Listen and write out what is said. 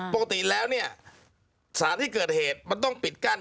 ปกติแล้วเนี่ยสารที่เกิดเหตุมันต้องปิดกั้น